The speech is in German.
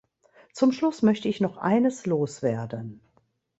Zum Schluss möchte ich noch eines loswerden.